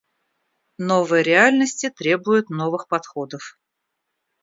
Новые реальности требуют новых подходов.